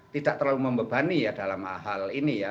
tidak terlalu membebani ya dalam hal ini ya